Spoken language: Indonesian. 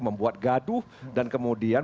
membuat gaduh dan kemudian